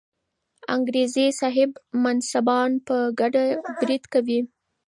انګریزي صاحب منصبان به په ګډه برید کوي.